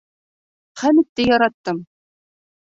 Хәмитте яраттым.